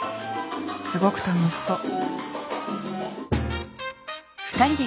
すごく楽しそう。